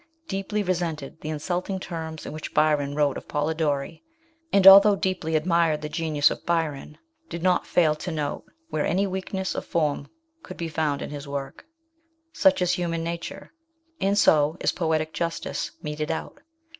deeply resented the insulting terms in which Byron wrote of Polidori, and, although he deeply admired the genius of Byron, did not fail to note where any weakness of form could be found in his work such is human nature, and so is poetic justice meted out.